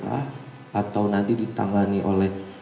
atau nanti ditangani oleh